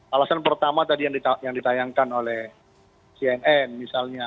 alasan pertama tadi yang ditayangkan oleh cnn misalnya